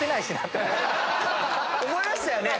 思いましたよね。